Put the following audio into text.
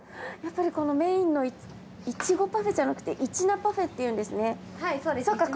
やっぱりこのメインのイチゴパフェじゃなくていちなパフェっていうんですね。